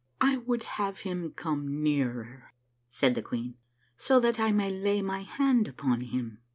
" I would have him come nearer," said the queen, " so that I may lay my hand upon him."